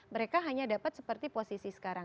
mereka hanya dapat seperti posisi sekarang